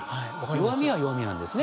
弱みは弱みなんですね。